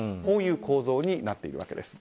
こういう構造になっています。